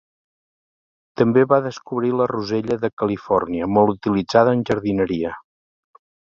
També va descobrir la rosella de Califòrnia molt utilitzada en jardineria.